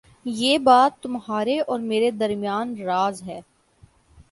یہ بات تمہارے اور میرے درمیان راز ہے